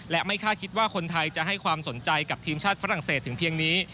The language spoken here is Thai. และไม่คาดคิดว่าคนไทยจะให้ความสนใจกับทีมชาติฝรั่งเศสถึงเพียงนี้